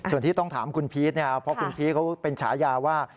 ส่วนที่ต้องถามคุณพีชเนี่ยเพราะคุณพีชเขาเป็นฉายาว่า